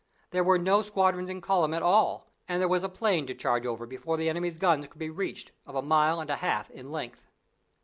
There were no squadrons in column at all and there was a plain to charge over before the enemy's guns could be reached, of a mile and a half in length!